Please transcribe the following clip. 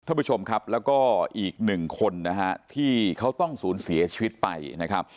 ท่านผู้ชมครับแล้วก็อีกหนึ่งคนนะฮะที่เขาต้องสูญเสียชีวิตไปนะครับ